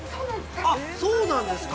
◆あっ、そうなんですか。